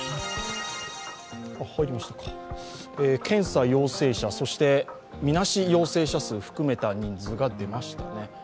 検査陽性者、そしてみなし陽性者数含めた人数が出ました。